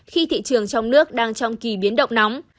khi thị trường trong nước đang trong kỳ biến động nóng